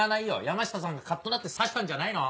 山下さんがカッとなって刺したんじゃないの？